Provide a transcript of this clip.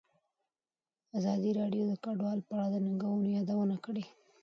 ازادي راډیو د کډوال په اړه د ننګونو یادونه کړې.